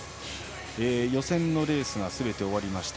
予選のレースがすべて終わりました。